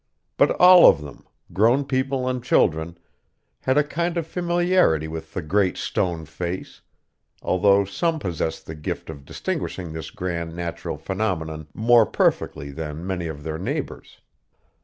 But all of them, grown people and children, had a kind of familiarity with the Great Stone Face, although some possessed the gift of distinguishing this grand natural phenomenon more perfectly than many of their neighbors.